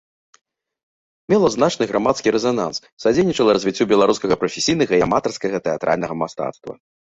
Мела значны грамадскі рэзананс, садзейнічала развіццю беларускага прафесійнага і аматарскага тэатральнага мастацтва.